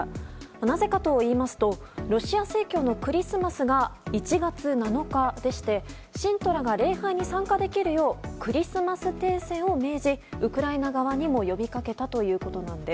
なぜかといいますとロシア正教のクリスマスが１月７日でして、信徒らが礼拝に参加できるようクリスマス停戦を命じウクライナ側にも呼び掛けたということなんです。